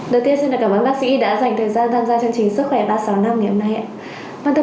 đầu tiên xin cảm ơn bác sĩ đã dành thời gian tham gia chương trình sức khỏe ba trăm sáu mươi năm ngày hôm nay ạ